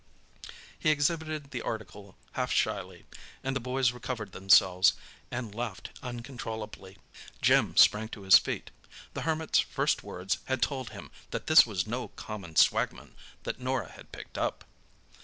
He exhibited the article half shyly, and the boys recovered themselves and laughed uncontrollably. Jim sprang to his feet. The Hermit's first words had told him that this was no common swagman that Norah had picked up.